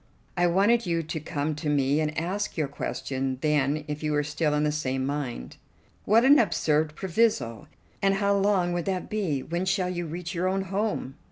I wanted you to come to me, and ask your question then if you were still in the same mind." "What an absurd proviso! And how long would that be? When shall you reach your own home?"